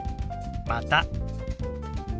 「また」。